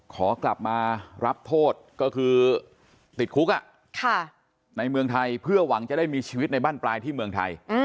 ขอกลับมารับโทษก็คือติดคุกในเมืองไทยเพื่อหวังจะได้มีชีวิตในบ้านปลายที่เมืองไทย